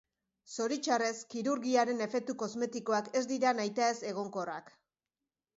Zoritxarrez, kirurgiaren efektu kosmetikoak ez dira nahitaez egonkorrak.